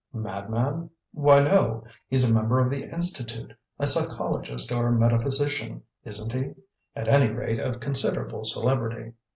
"Madman? Why, no; he's a member of the Institute; a psychologist or metaphysician, isn't he? at any rate of considerable celebrity."